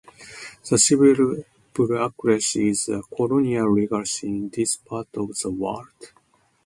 The civil bureaucracy is a colonial legacy in this part of the world.